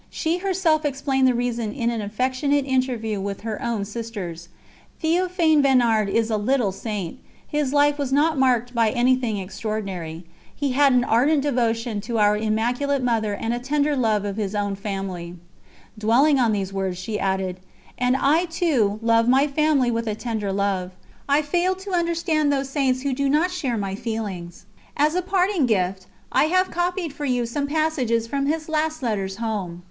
She herself explained the reason in an affectionate interview with her own sisters: "Théophane Vénard is a little saint; his life was not marked by anything extraordinary. He had an ardent devotion to Our Immaculate Mother and a tender love of his own family." Dwelling on these words she added: "And I, too, love my family with a tender love; I fail to understand those Saints who do not share my feelings. As a parting gift I have copied for you some passages from his last letters home.